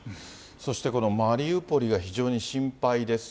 そしてこのマリウポリは非常に心配です。